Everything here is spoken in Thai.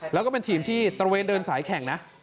แล้วก็เป็นทีมที่ตระเวนเดินสายแข่งนะ